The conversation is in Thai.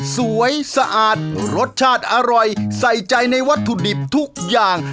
สะอาดรสชาติอร่อยใส่ใจในวัตถุดิบทุกอย่าง